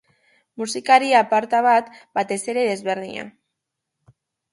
Musikari aparta eta, batez ere, desberdina.